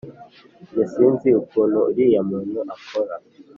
jye sinzi ukuntu uriya muntu akora